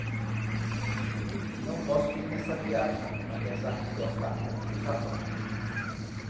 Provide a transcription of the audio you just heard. Não posso ir nessa viagem, apesar de gostar muito do Japão.